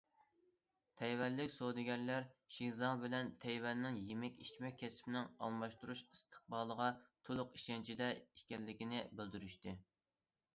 تەيۋەنلىك سودىگەرلەر شىزاڭ بىلەن تەيۋەننىڭ يېمەك- ئىچمەك كەسپىنىڭ ئالماشتۇرۇش ئىستىقبالىغا تولۇق ئىشەنچىدە ئىكەنلىكىنى بىلدۈرۈشتى.